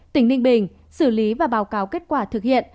tỉnh ninh bình xử lý và báo cáo kết quả thực hiện